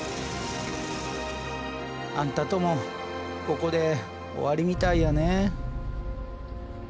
あんたともここで終わりみたいやね。